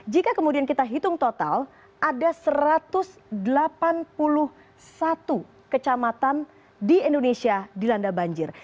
jika kemudian kita hitung total ada satu ratus delapan puluh satu kecamatan di indonesia dilanda banjir